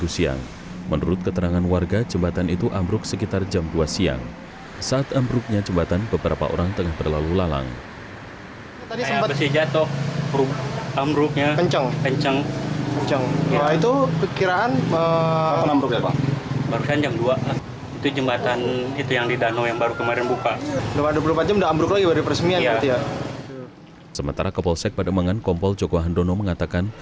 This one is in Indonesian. sementara kepolsek pada emangan kompol joko handono mengatakan